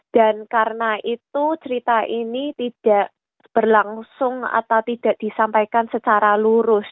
dan karena itu cerita ini tidak berlangsung atau tidak disampaikan secara lurus